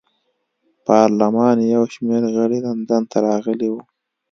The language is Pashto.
پارلمان یو شمېر غړي لندن ته راغلي وو.